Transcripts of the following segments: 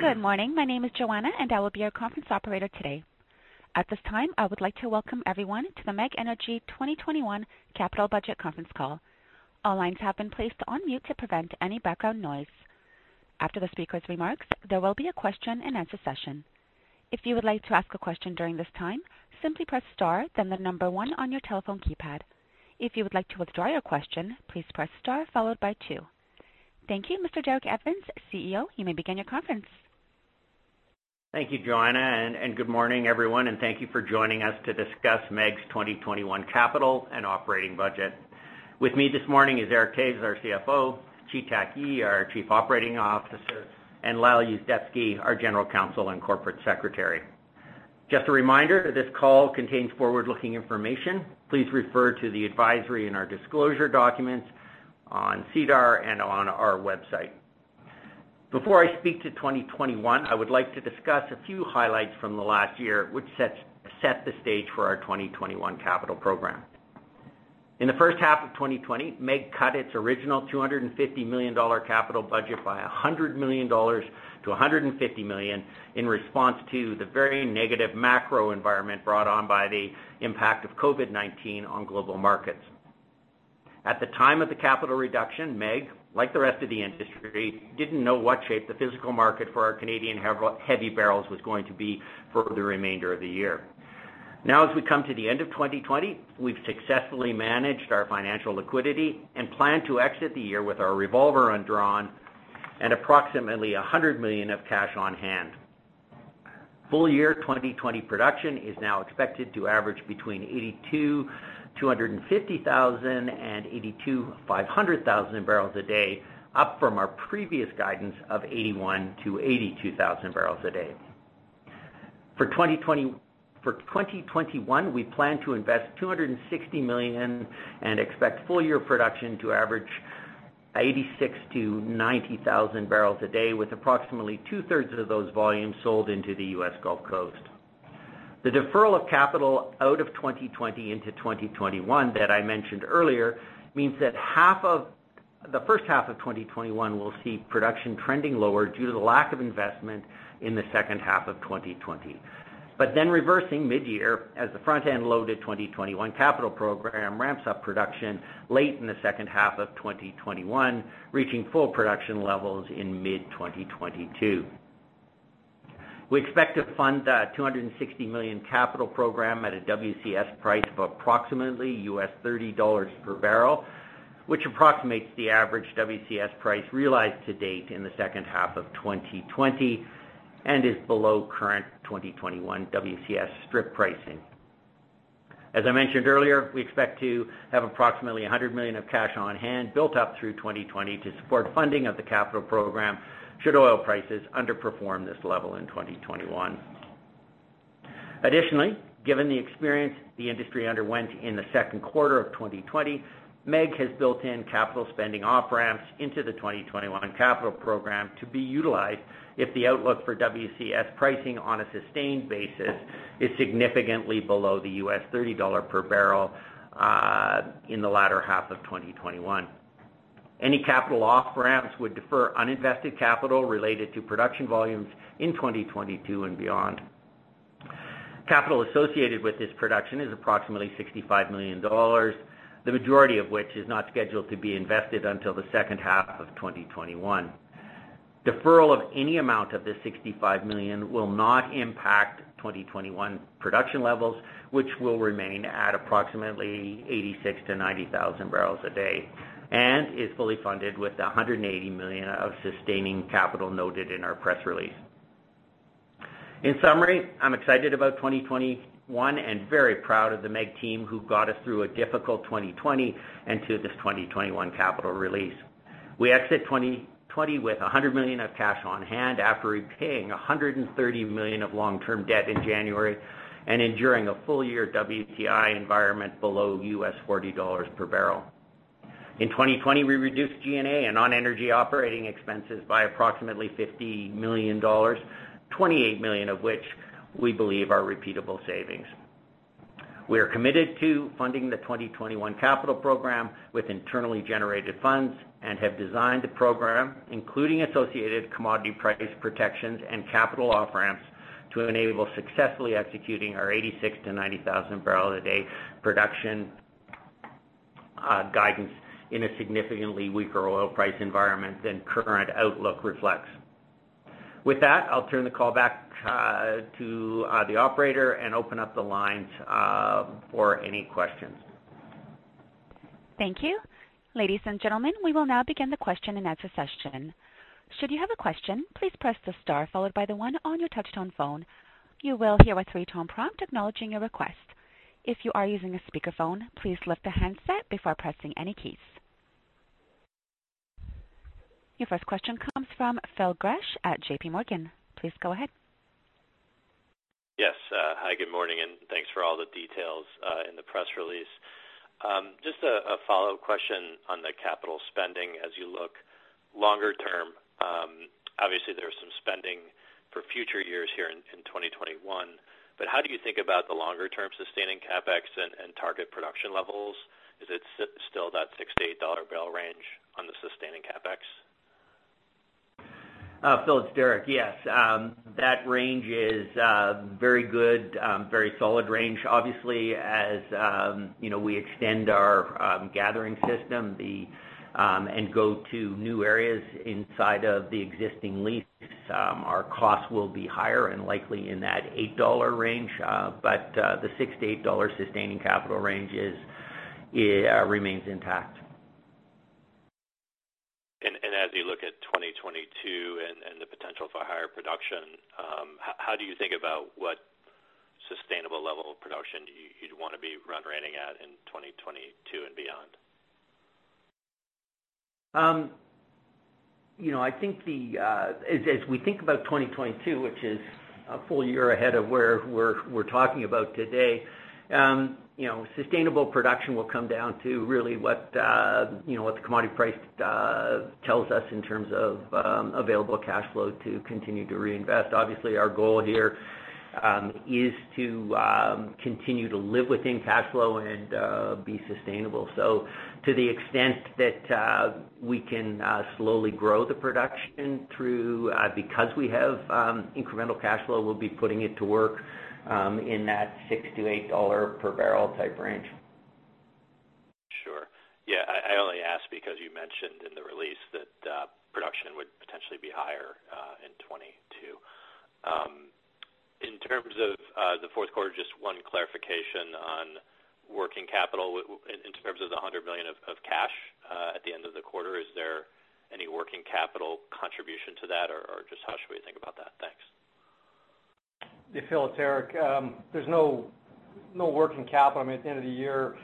Good morning. My name is Joanna. I will be your conference operator today. At this time, I would like to welcome everyone to the MEG Energy 2021 Capital Budget Conference Call. All lines have been placed on mute to prevent any background noise. After the speakers' remarks, there will be a question-and-answer session. If you would like to ask a question during this time, simply press star, then the number one on your telephone keypad. If you would like to withdraw your question, please press star followed by two. Thank you, Mr. Derek Evans, CEO. You may begin your conference. Thank you, Joanna, good morning, everyone, and thank you for joining us to discuss MEG's 2021 capital and operating budget. With me this morning is Erik Toews, our CFO, Chi-Tak Yee, our Chief Operating Officer, and Lyle Yuzdepski, our General Counsel and Corporate Secretary. Just a reminder that this call contains forward-looking information. Please refer to the advisory in our disclosure documents on SEDAR and on our website. Before I speak to 2021, I would like to discuss a few highlights from the last year, which set the stage for our 2021 capital program. In the first half of 2020, MEG cut its original 250 million dollar capital budget by 100 million-150 million dollars in response to the very negative macro environment brought on by the impact of COVID-19 on global markets. At the time of the capital reduction, MEG, like the rest of the industry, didn't know what shape the physical market for our Canadian heavy barrels was going to be for the remainder of the year. Now, as we come to the end of 2020, we've successfully managed our financial liquidity and plan to exit the year with our revolver undrawn and approximately 100 million of cash on hand. Full year 2020 production is now expected to average between [82,250 and 82,500 bbl/d], up from our previous guidance of 81,000-82,000 bbl/d. For 2021, we plan to invest 260 million and expect full year production to average 86,000-90,000 bbl/d, with approximately 2/3 of those volumes sold into the U.S. Gulf Coast. The deferral of capital out of 2020 into 2021 that I mentioned earlier means that the first half of 2021 will see production trending lower due to the lack of investment in the second half of 2020. Reversing mid-year as the front-end load of 2021 capital program ramps up production late in the second half of 2021, reaching full production levels in mid-2022. We expect to fund the 260 million capital program at a WCS price of approximately $30 per barrel, which approximates the average WCS price realized to date in the second half of 2020 and is below current 2021 WCS strip pricing. As I mentioned earlier, we expect to have approximately 100 million of cash on hand built up through 2020 to support funding of the capital program should oil prices underperform this level in 2021. Additionally, given the experience the industry underwent in the second quarter of 2020, MEG has built in capital spending off-ramps into the 2021 capital program to be utilized if the outlook for WCS pricing on a sustained basis is significantly below the $30 per barrel in the latter half of 2021. Any capital off-ramps would defer uninvested capital related to production volumes in 2022 and beyond. Capital associated with this production is approximately 65 million dollars. The majority of which is not scheduled to be invested until the second half of 2021. Deferral of any amount of the 65 million will not impact 2021 production levels, which will remain at approximately 86,000-90,000 bbl/d, and is fully funded with the 180 million of sustaining capital noted in our press release. In summary, I'm excited about 2021 and very proud of the MEG team who got us through a difficult 2020 and to this 2021 capital release. We exit 2020 with 100 million of cash on hand after repaying 130 million of long-term debt in January and enduring a full year WTI environment below $40 per barrel. In 2020, we reduced G&A and non-energy operating expenses by approximately 50 million dollars, 28 million of which we believe are repeatable savings. We are committed to funding the 2021 capital program with internally generated funds and have designed the program, including associated commodity price protections and capital off-ramps to enable successfully executing our 86,000-90,000 bbl/d production guidance in a significantly weaker oil price environment than current outlook reflects. With that, I'll turn the call back to the operator and open up the lines for any questions. Thank you. Ladies and gentlemen we will now begin the question-and-answer session. Should you have a question please press the star followed by the one on your touch-tone phone. You will hear a three-tone prompt acknowledging your request. If you're using a speakerphone please lift the handset before pressing any keys. Your first question comes from Phil Gresh at JPMorgan. Please go ahead. Yes. Hi, good morning. Thanks for all the details in the press release. Just a follow-up question on the capital spending as you look longer term. Obviously, there's some spending for future years here in 2021. How do you think about the longer-term sustaining CapEx and target production levels? Is it still that 6-8 dollar barrel range on the sustaining CapEx? Phil, it's Derek. Yes. That range is very good, very solid range. Obviously, as we extend our gathering system and go to new areas inside of the existing lease, our costs will be higher and likely in that 8 dollar range. The 6-8 dollar sustaining capital range remains intact. As you look at 2022 and the potential for higher production, how do you think about what sustainable level of production you'd want to be operating at in 2022 and beyond? As we think about 2022, which is a full year ahead of where we're talking about today, sustainable production will come down to really what the commodity price tells us in terms of available cash flow to continue to reinvest. Obviously, our goal here is to continue to live within cash flow and be sustainable. To the extent that we can slowly grow the production Because we have incremental cash flow, we'll be putting it to work in that 6-8 dollar per barrel type range. Sure. Yeah, I only ask because you mentioned in the release that production would potentially be higher in 2022. In terms of the fourth quarter, just one clarification on working capital in terms of the 100 million of cash at the end of the quarter. Is there any working capital contribution to that? Just how should we think about that? Thanks. Yeah, Phil, it's Derek. There's no working capital. At the end of the year,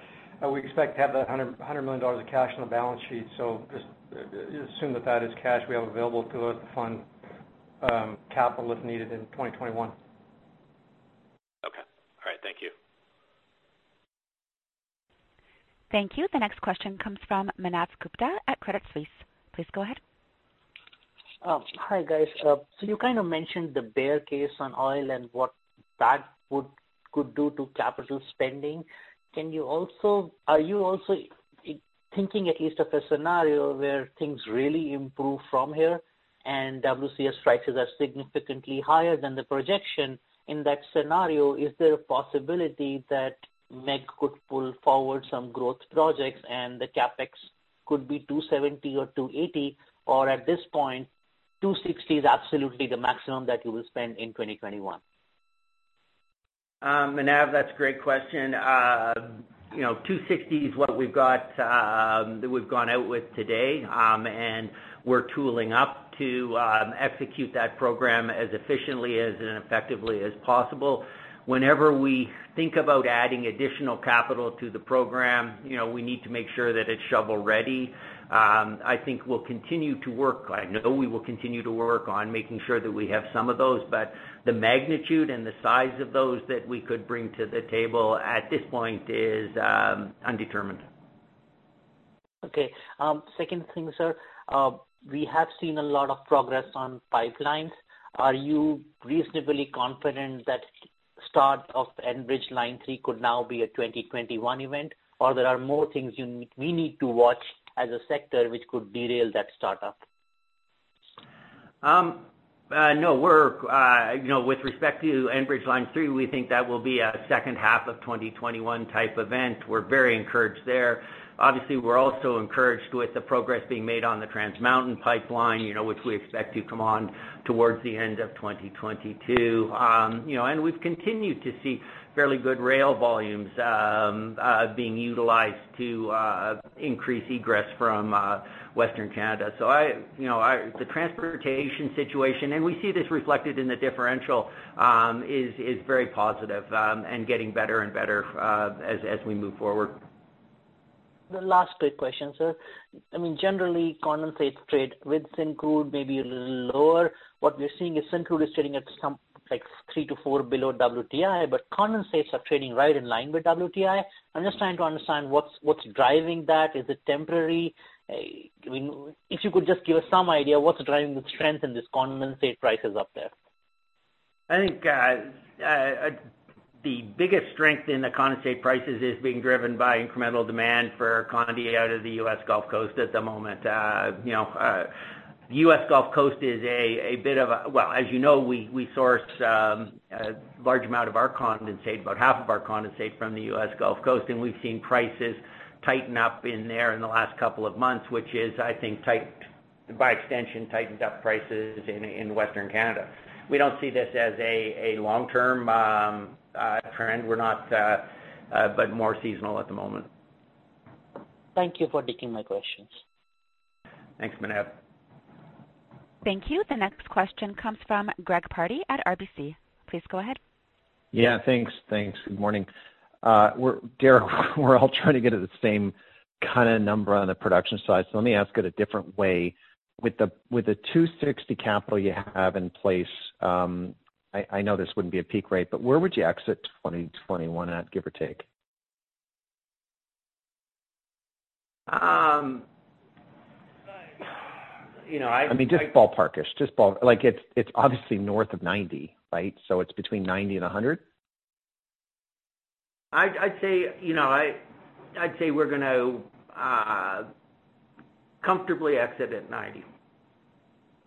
we expect to have that 100 million dollars of cash on the balance sheet. Just assume that that is cash we have available to us to fund capital if needed in 2021. Okay. All right. Thank you. Thank you. The next question comes from Manav Gupta at Credit Suisse. Please go ahead. Hi, guys. You mentioned the bear case on oil and what that could do to capital spending. Are you also thinking at least of a scenario where things really improve from here and WCS prices are significantly higher than the projection? In that scenario, is there a possibility that MEG could pull forward some growth projects and the CapEx could be 270 million or 280 million, or at this point 260 million is absolutely the maximum that you will spend in 2021? Manav, that's a great question. 260 million is what we've gone out with today. We're tooling up to execute that program as efficiently and effectively as possible. Whenever we think about adding additional capital to the program, we need to make sure that it's shovel-ready. I think we'll continue to work. I know we will continue to work on making sure that we have some of those, the magnitude and the size of those that we could bring to the table at this point is undetermined. Okay. Second thing, sir. We have seen a lot of progress on pipelines. Are you reasonably confident that start of Enbridge Line 3 could now be a 2021 event, or there are more things we need to watch as a sector which could derail that start-up? No. With respect to Enbridge Line 3, we think that will be a second half of 2021 type event. We're very encouraged there. Obviously, we're also encouraged with the progress being made on the Trans Mountain pipeline, which we expect to come on towards the end of 2022. We've continued to see fairly good rail volumes being utilized to increase egress from Western Canada. The transportation situation, and we see this reflected in the differential, is very positive and getting better and better as we move forward. The last quick question, sir. Generally, condensate trade with Syncrude may be a little lower. What we're seeing is Syncrude is trading at some, like three to four below WTI, but condensates are trading right in line with WTI. I'm just trying to understand what's driving that. Is it temporary? If you could just give some idea what's driving the strength in this condensate prices up there. I think the biggest strength in the condensate prices is being driven by incremental demand for condensate out of the U.S. Gulf Coast at the moment. The U.S. Gulf Coast is a bit of a Well, as you know, we source a large amount of our condensate, about half of our condensate from the U.S. Gulf Coast, and we've seen prices tighten up in there in the last couple of months, which is, I think, by extension, tightened up prices in Western Canada. We don't see this as a long-term trend but more seasonal at the moment. Thank you for taking my questions. Thanks, Manav. Thank you. The next question comes from Greg Pardy at RBC. Please go ahead. Yeah, thanks. Good morning. Derek, we're all trying to get at the same kind of number on the production side. Let me ask it a different way. With the 260 million CapEx you have in place, I know this wouldn't be a peak rate, but where would you exit 2021 at, give or take? I mean, just ballpark-ish. It's obviously north of [90,000 bbl], right? It's between [90,000 bbl] and CAD 100 million? I'd say we're going to comfortably exit at [90,000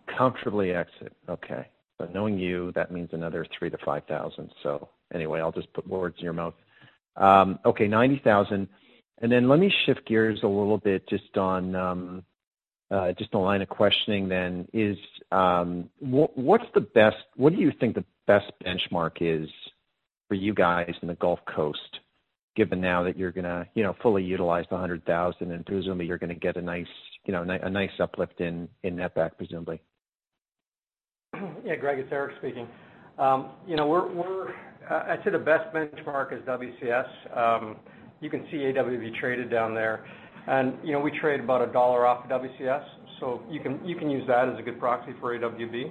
bbl]. Comfortably exit. Okay. Knowing you, that means another [3,000-5,000 bbl]. Anyway, I'll just put words in your mouth. Okay, [90,000 bbl]. Then let me shift gears a little bit just on a line of questioning then. What do you think the best benchmark is for you guys in the Gulf Coast, given now that you're going to fully utilize the 100 million, and presumably you're going to get a nice uplift in netback, presumably? Yeah, Greg, it's Erik speaking. I'd say the best benchmark is WCS. You can see AWB traded down there. We trade about CAD 1 off of WCS. You can use that as a good proxy for AWB.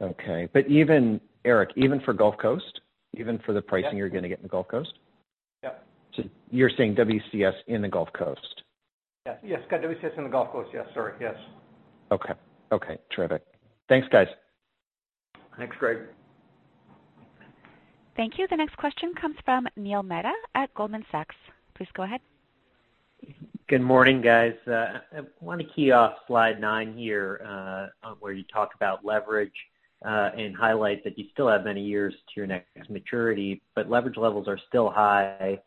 Okay. Even, Erik, even for Gulf Coast, even for the pricing you're going to get in the Gulf Coast? Yeah. You're saying WCS in the Gulf Coast? Yes. WCS in the Gulf Coast. Yes, sir. Yes. Okay. Okay, terrific. Thanks, guys. Thanks, Greg. Thank you. The next question comes from Neil Mehta at Goldman Sachs. Please go ahead. Good morning, guys. I want to key off slide nine here, where you talk about leverage, and highlight that you still have many years to your next maturity, but leverage levels are still high.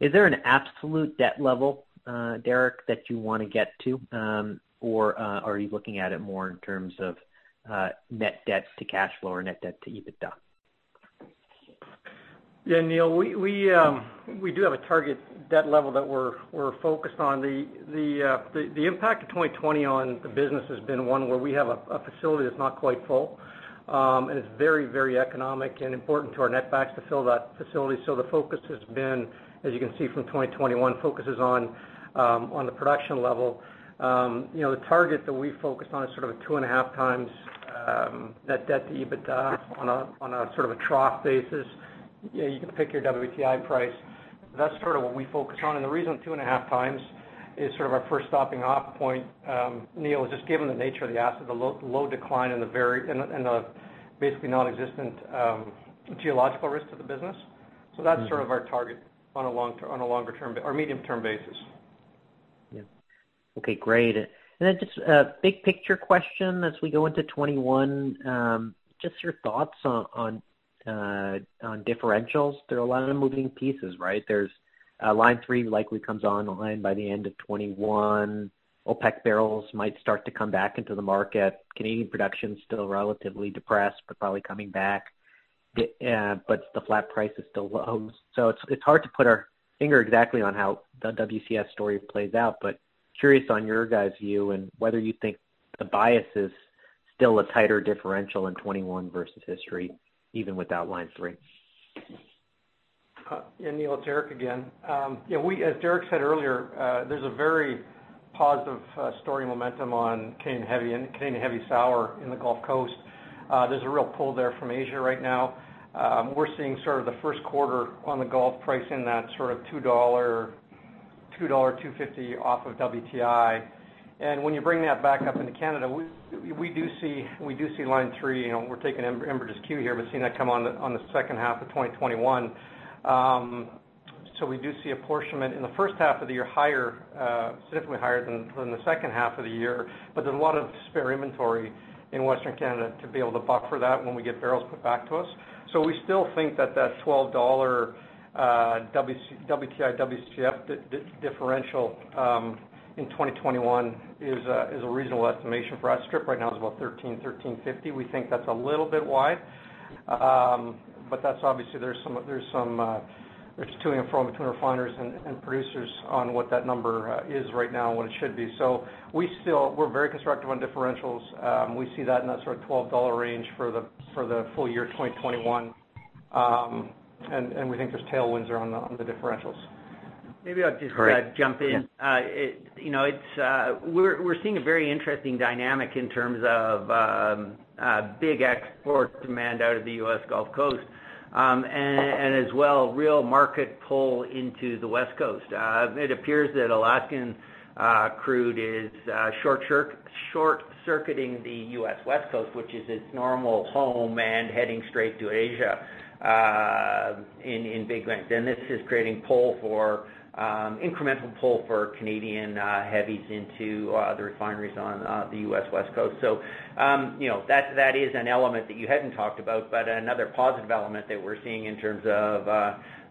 Is there an absolute debt level, Derek, that you want to get to? Are you looking at it more in terms of net debt to cash flow or net debt to EBITDA? Neil, we do have a target debt level that we're focused on. The impact of 2020 on the business has been one where we have a facility that's not quite full. It's very economic and important to our netbacks to fill that facility. The focus has been, as you can see from 2021, focuses on the production level. The target that we focus on is 2.5x net debt to EBITDA on a trough basis. You can pick your WTI price. That's what we focus on. The reason 2.5x is our first stopping off point. Neil, just given the nature of the asset, the low decline, and a basically non-existent geological risk to the business. That's our target on a medium-term basis. Yeah. Okay, great. Just a big picture question as we go into 2021, just your thoughts on differentials. There are a lot of moving pieces, right? There's Line 3 likely comes online by the end of 2021. OPEC barrels might start to come back into the market. Canadian production's still relatively depressed, but probably coming back. The flat price is still low. It's hard to put our finger exactly on how the WCS story plays out, but curious on your guys' view and whether you think the bias is still a tighter differential in 2021 versus history, even without Line 3. Yeah, Neil, it's Erik again. As Derek said earlier, there's a very positive story momentum on Canadian heavy sour in the Gulf Coast. There's a real pull there from Asia right now. We're seeing the first quarter on the Gulf pricing at 2 dollar, 2.50 dollar off of WTI. When you bring that back up into Canada, we do see Line 3, and we're taking Enbridge's cue here, but seeing that come on the second half of 2021. We do see a portion of it in the first half of the year higher, significantly higher than the second half of the year. There's a lot of spare inventory in Western Canada to be able to buffer that when we get barrels put back to us. We still think that that 12 dollar WTI/WCS differential in 2021 is a reasonable estimation for our strip right now is about 13, 13.50. We think that's a little bit wide. That's obviously there's two-way flow between refiners and producers on what that number is right now and what it should be. We're very constructive on differentials. We see that in that sort of 12 dollar range for the full year 2021, and we think there's tailwinds there on the differentials. Maybe I'll just, jump in. We're seeing a very interesting dynamic in terms of big export demand out of the U.S. Gulf Coast. As well, a real market pull into the West Coast. It appears that Alaskan crude is short-circuiting the U.S. West Coast, which is its normal home, and heading straight to Asia in big volumes. This is creating incremental pull for Canadian heavies into the refineries on the U.S. West Coast. That is an element that you hadn't talked about, but another positive element that we're seeing in terms of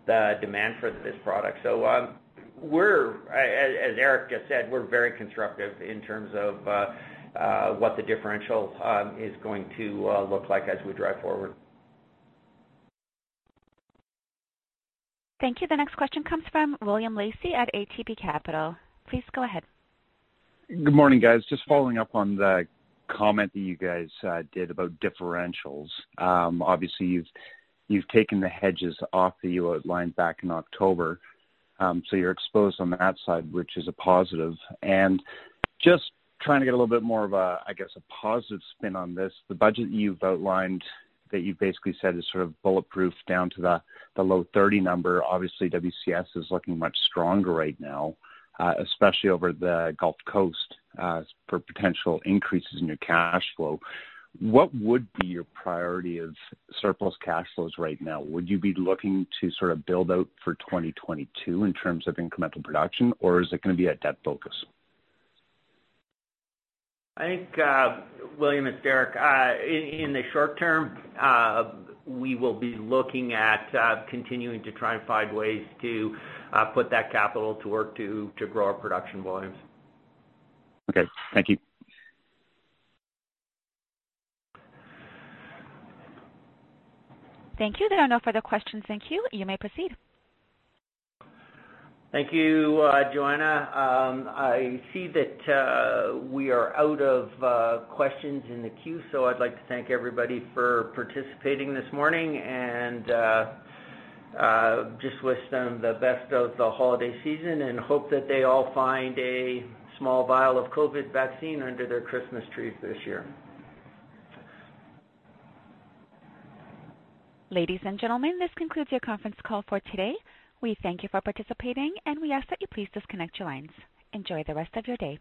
the demand for this product. As Erik just said, we're very constructive in terms of what the differential is going to look like as we drive forward. Thank you. The next question comes from William Lacey at ATB Capital. Please go ahead. Good morning, guys. Just following up on the comment that you guys did about differentials. You've taken the hedges off the Line 3 back in October. You're exposed on that side, which is a positive. Just trying to get a little bit more of a, I guess, a positive spin on this. The budget you've outlined that you basically said is sort of bulletproof down to the low 30 number. WCS is looking much stronger right now, especially over the Gulf Coast, for potential increases in your cash flow. What would be your priority of surplus cash flows right now? Would you be looking to build out for 2022 in terms of incremental production, or is it going to be a debt focus? I think, William, it's Erik. In the short term, we will be looking at continuing to try and find ways to put that capital to work to grow our production volumes. Okay. Thank you. Thank you. There are no further questions. Thank you. You may proceed. Thank you, Joanna. I see that we are out of questions in the queue. I'd like to thank everybody for participating this morning and just wish them the best of the holiday season and hope that they all find a small vial of COVID vaccine under their Christmas trees this year. Ladies and gentlemen, this concludes your conference call for today. We thank you for participating, we ask that you please disconnect your lines. Enjoy the rest of your day.